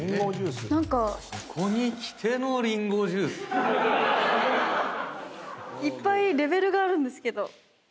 ここにきてのりんごジュース⁉いっぱいレベルがあるんですけど。